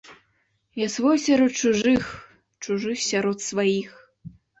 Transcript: Я свой сярод чужых, чужы сярод сваіх.